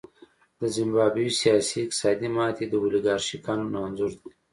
د زیمبابوې سیاسي او اقتصادي ماتې د اولیګارشۍ قانون انځور دی.